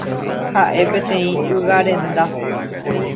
Ha'e peteĩ ygarenda.